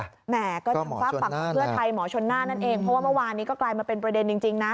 แหม่ก็ฟ้าปังเพื่อใครหมอชนน่านั่นเองเพราะว่าเมื่อวานนี้ก็กลายมาเป็นประเด็นจริงนะ